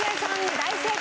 大正解。